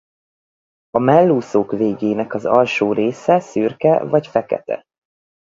A mellúszók végének az alsó része szürke vagy fekete.